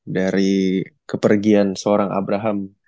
dari kepergian seorang abraham